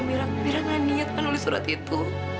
mira gak niat kan nulis surat itu